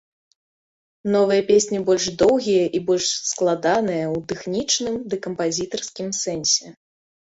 Новыя песні больш доўгія і больш складаныя ў тэхнічным ды кампазітарскім сэнсе.